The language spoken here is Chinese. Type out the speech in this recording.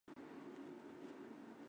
藤泽町是位于岩手县南端的一町。